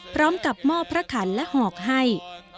พร้อมกับมอบพระขันและหอกให้